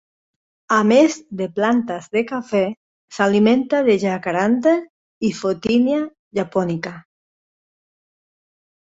A més de plantes de cafè s'alimenta de jacaranda i "Photinia japonica".